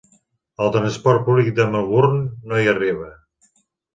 El transport públic de Melbourne no hi arriba.